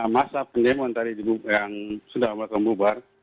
masa pendemo yang sudah abad dan bubar